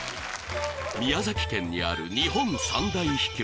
宮崎県にある日本三大秘境